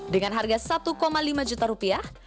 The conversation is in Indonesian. dengan harga satu lima juta rupiah